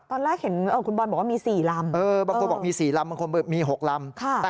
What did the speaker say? ตอนแรกเห็นอ่ะคุณบอลบอกว่ามีสี่ลำ